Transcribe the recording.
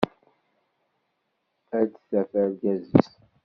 Ad d-taf argaz-is.